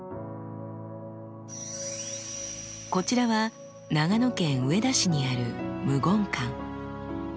こちらは長野県上田市にある無言館。